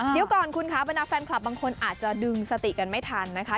เดี๋ยวก่อนคุณคะบรรดาแฟนคลับบางคนอาจจะดึงสติกันไม่ทันนะคะ